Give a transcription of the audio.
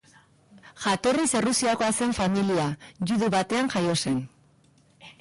Jatorriz Errusiakoa zen familia judu batean jaio zen.